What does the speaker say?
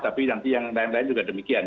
tapi nanti yang lain lain juga demikian